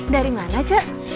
dari mana cuk